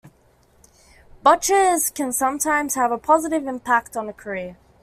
Botches can sometimes have a positive impact on a career.